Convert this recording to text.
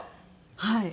はい。